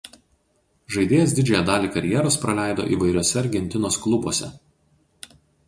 Žaidėjas didžiąją dalį karjeros praleido įvairiuose Argentinos klubuose.